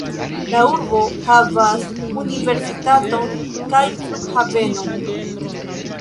La urbo havas universitaton kaj flughavenon.